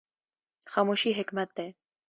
خاموشي حکمت دی